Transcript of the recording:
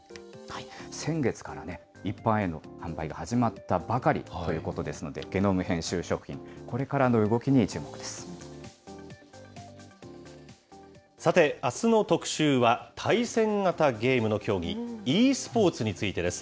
先月から、一般への販売が始まったばかりということですので、ゲノム編集食品、これからの動きにさて、あすの特集は対戦型ゲームの競技、ｅスポーツについてです。